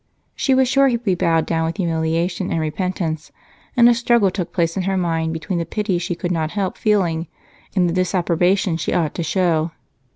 She was sure he would be bowed down with humiliation and repentance, and a struggle took place in her mind between the pity she could not help feeling and the disapprobation she ought to show.